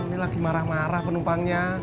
ini lagi marah marah penumpangnya